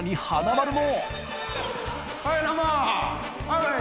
はい！